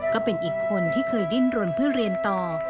ก็เป็นอีกคนที่เคยดิ้นรนเพื่อเรียนต่อ